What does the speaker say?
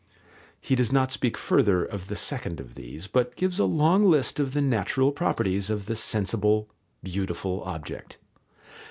He does not speak further of the second of these, but gives a long list of the natural properties of the sensible, beautiful object.